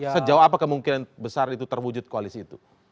sejauh apa kemungkinan besar itu terwujud koalisi itu